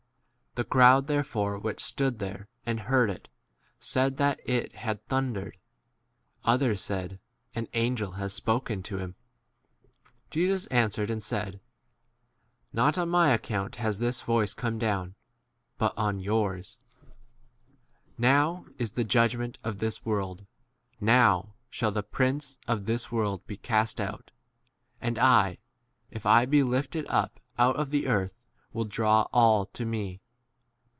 The crowd therefore which stood [there] and heard [it] said that it had thun dered. Others said, An angel has 30 spoken to him. Jesus answered and said, Not on my account has this voice come, but on yours. 31 Now is [the] judgment of this world; now shall the prince of 32 this world be cast out : and I * if I be lifted up out of the earth will 33 draw all to me.